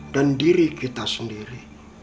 dan diri kita sendiri